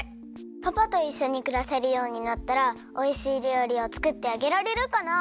パパといっしょにくらせるようになったらおいしいりょうりをつくってあげられるかな？